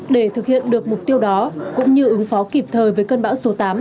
để thực hiện được mục tiêu đó cũng như ứng phó kịp thời với cơn bão số tám